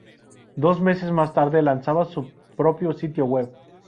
Dos meses más tarde, lanzaba su propio sitio web.